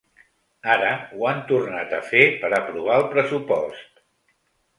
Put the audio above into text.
Ara ho han tornat a fer per aprovar el pressupost.